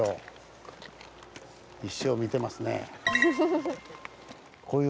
石を見てますね。